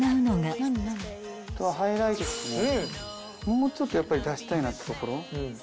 もうちょっとやっぱり出したいなってところ。